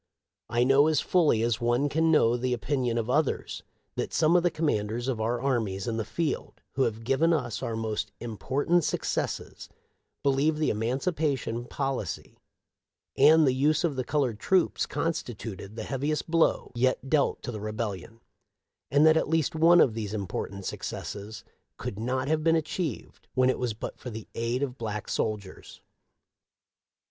"* I know as fully as one can know the opinion of others that some of the commanders of our armies in the field who have given us our most im portant successes believe the emancipation policy and the use of the colored troops constituted the heaviest blow yet dealt to the Rebellion, and that at least one of these important successes could not have been achieved when it was but for the aid of black soldiers.